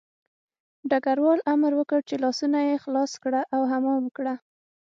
ډګروال امر وکړ چې لاسونه یې خلاص کړه او حمام ورکړه